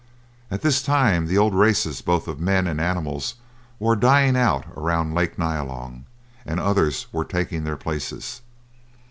At this time the old races both of men and animals were dying out around Lake Nyalong, and others were taking their places.